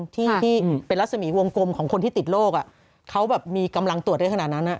ที่เป็นรัศมีวงกลมของคนที่ติดโรคเขาแบบมีกำลังตรวจได้ขนาดนั้น